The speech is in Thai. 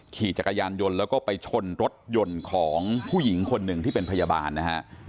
ขี่จักรยานยนต์แล้วก็ไปชนรถยนต์ของผู้หญิงคนหนึ่งที่เป็นพยาบาลนะฮะ